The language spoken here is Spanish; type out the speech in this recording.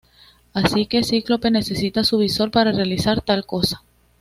Así que Cíclope necesita su visor para realizar tal cosa.